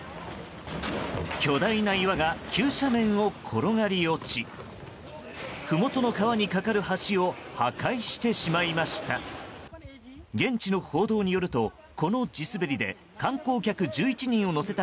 巨大な岩が急斜面を転がり落ちふもとの川に架かる橋を破壊してしまいました。